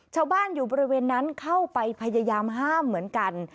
ชาวบ้านอยู่บริเวณนั้นเข้าไปพยายามห้ามเหมือนกัน